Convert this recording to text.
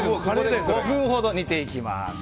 ５分ほど煮ていきます。